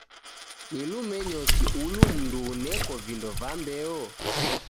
Ni lumenyoki ulu mundu uneko vindo va mbeo?